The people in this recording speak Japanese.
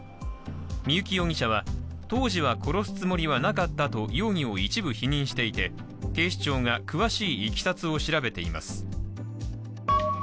三幸容疑者は当時は殺すつもりはなかったと容疑を一部否認していて警視庁が詳しいいきさつを調べています。